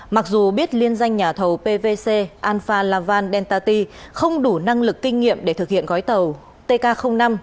mặc dù biết liên danh nhà thầu pvc alfa laval dentati không đủ năng lực kinh nghiệm để thực hiện gói thầu tk năm